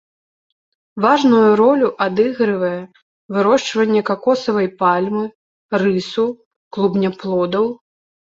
Важную ролю адыгрывае вырошчванне какосавай пальмы, рысу, клубняплодаў.